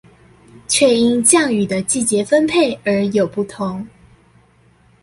卻因降雨的季節分配而有不同